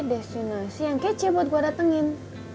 destinasi yang kece buat gue datengin